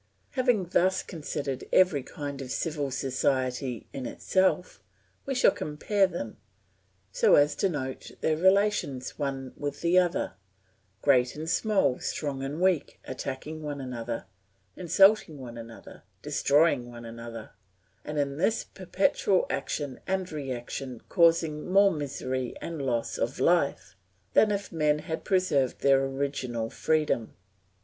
Having thus considered every kind of civil society in itself, we shall compare them, so as to note their relations one with another; great and small, strong and weak, attacking one another, insulting one another, destroying one another; and in this perpetual action and reaction causing more misery and loss of life than if men had preserved their original freedom.